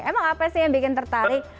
emang apa sih yang bikin tertarik